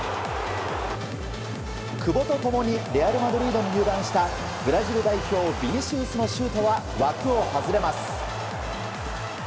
久保と共にレアル・マドリードに入団したブラジル代表ビニシウスのシュートは枠を外れます。